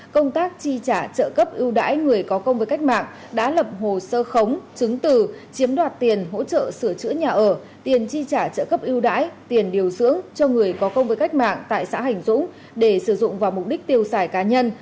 công tác chi trả trợ cấp ưu đãi người có công với cách mạng đã lập hồ sơ khống chứng từ chiếm đoạt tiền hỗ trợ sửa chữa nhà ở tiền chi trả trợ cấp ưu đãi tiền điều dưỡng cho người có công với cách mạng tại xã hành dũng để sử dụng vào mục đích tiêu xài cá nhân